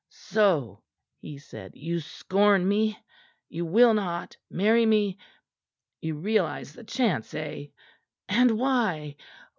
"So," he said. "You scorn me? You will not marry me? You realise the chance, eh? And why?